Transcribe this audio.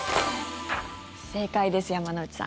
正解です、山之内さん。